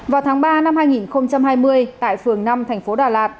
vào tháng ba năm hai nghìn hai mươi tại phường năm thành phố đà lạt